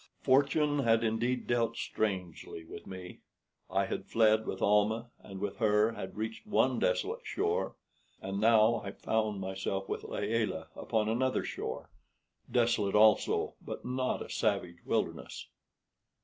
Fortune had indeed dealt strangely with me. I had fled with Almah, and with her had reached one desolate shore, and now I found myself with Layelah upon another shore, desolate also, but not a savage wilderness.